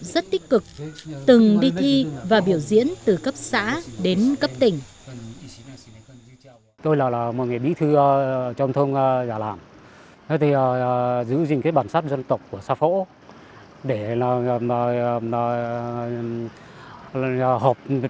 rất tích cực từng đi thi và biểu diễn từ cấp xã đến cấp tỉnh